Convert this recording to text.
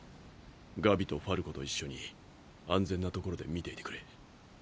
⁉ガビとファルコと一緒に安全な所で見ていてくれ。